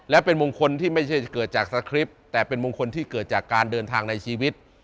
และเป็นมงคลที่ไม่ใช่จะเกิดจากสคริปต์แต่เป็นมงคลที่เกิดจากการเดินทางในชีวิต